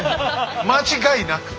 間違いなく。